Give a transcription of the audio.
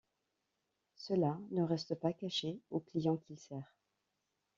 Cela ne reste pas caché au client qu'il sert.